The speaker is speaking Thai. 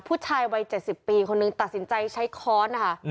ผู้ชายวัย๗๐ปีคนนึงตัดสินใจใช้ค้อนนะคะ